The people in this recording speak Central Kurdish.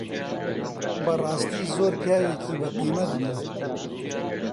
بەڕاستی زۆر پیاوێکی بەقیمەت بوو